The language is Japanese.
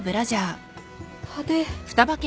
派手。